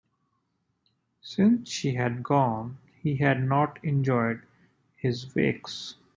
Since she had gone, he had not enjoyed his wakes.